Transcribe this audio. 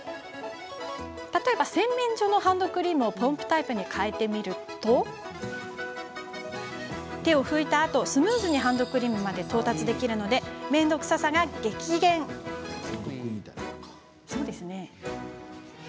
洗面所のハンドクリームをポンプタイプに替えてみると手を拭いたあとスムーズにハンドクリームまで到達できるので面倒くささが激減です。